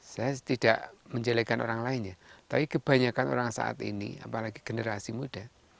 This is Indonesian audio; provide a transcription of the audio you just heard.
saya tidak menjelekkan orang lainnya tapi kebanyakan orang saat ini apalagi generasi muda